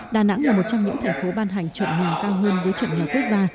đà nẵng là một trong những thành phố ban hành trận nghèo cao hơn với trận nghèo quốc gia